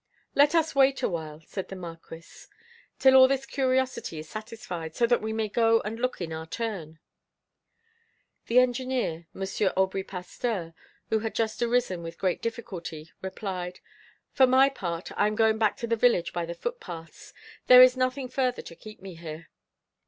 "Let us wait a while," said the Marquis, "till all this curiosity is satisfied, so that we may go and look in our turn." The engineer, M. Aubry Pasteur, who had just arisen with very great difficulty, replied: "For my part, I am going back to the village by the footpaths. There is nothing further to keep me here."